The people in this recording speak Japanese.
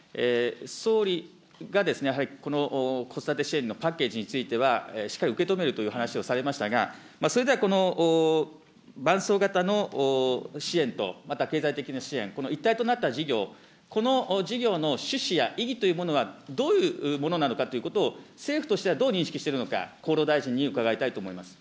総理がですね、早くこの子育て支援のパッケージについては、しっかり受け止めるという話をされましたが、それではこの伴走型の支援と、また経済的な支援、この一体となった事業、この事業の趣旨や意義というものは、どういうものなのかということを、政府としてはどう認識してるのか、厚労大臣に伺いたいと思います。